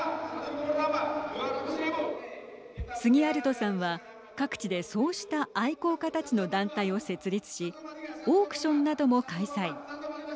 スギアルトさんは各地でそうした愛好家たちの団体を設立しオークションなども開催。